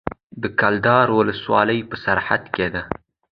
د کلدار ولسوالۍ په سرحد کې ده